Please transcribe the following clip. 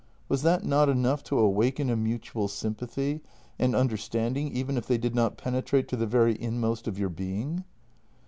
Was that not enough to awaken a mutual sympathy and understanding even if they did not penetrate to the very inmost of your being?